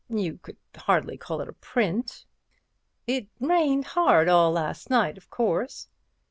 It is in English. You could hardly call it a print." "It rained hard all last night, of course."